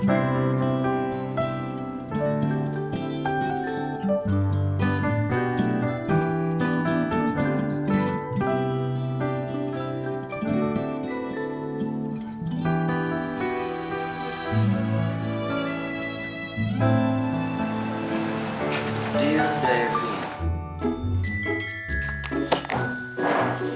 ini yang dia